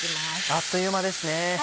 あっという間ですね。